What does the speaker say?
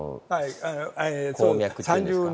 鉱脈っていうんですか。